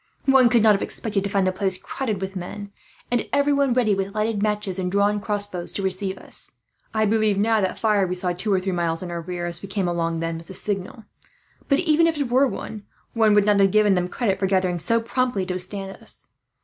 One could not have expected to find the place crowded with men, and everyone ready with lighted matches and drawn crossbows to receive us. I believe now that that fire we saw, two or three miles in our rear as we came along, was a signal; but even if it were, one would not have given them credit for gathering so promptly to withstand us.